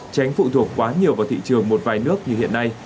tránh phụ thuộc quá nhiều vào thị trường một vài nước như hiện nay